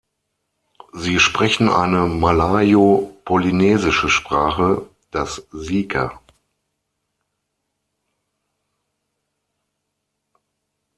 Sie sprechen eine malayo-polynesische Sprache, das Sika.